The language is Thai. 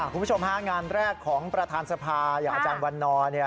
คุณผู้ชมฮะงานแรกของประธานสภาอย่างอาจารย์วันนอร์